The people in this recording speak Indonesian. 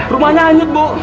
rumahnya anyut bu